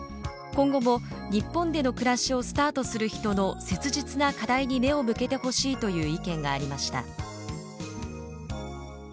今後も、日本での暮らしをスタートする人の切実な課題に目を向けてほしいという意見がありました。